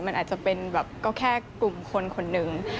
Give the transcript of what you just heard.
มันอาจจะเป็นแบบก็แค่กลุ่มคนคนหนึ่ง